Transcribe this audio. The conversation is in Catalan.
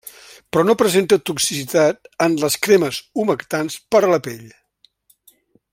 Però no presenta toxicitat en les cremes humectants per a pell.